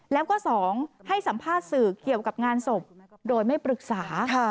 แล้วก็๒ให้สัมภาษณ์สื่อเกี่ยวกับงานศพโดยไม่ปรึกษา